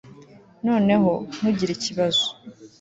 noneho, ntugire ikibazo